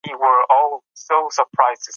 سګریټ د ژوند لپاره ښه نه دی.